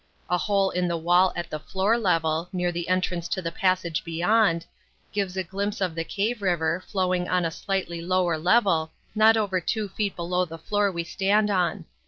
A hole in the wall at the floor level, near the entrance to the passage beyond, gives a glimpse of the cave river flowing on a slightly lower level, not over two feet below the floor we stand on.